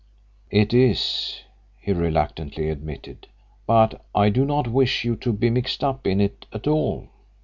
"It is," he reluctantly admitted. "But I do not wish you to be mixed up in it at all."